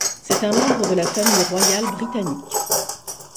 C’est un membre de la famille royale britannique.